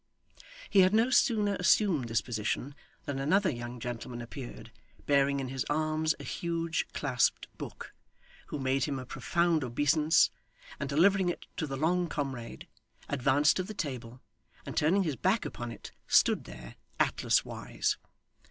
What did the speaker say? He had no sooner assumed this position, than another young gentleman appeared, bearing in his arms a huge clasped book, who made him a profound obeisance, and delivering it to the long comrade, advanced to the table, and turning his back upon it, stood there Atlas wise.